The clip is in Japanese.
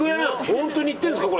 本当に言ってんですか？